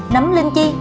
nấm linh chi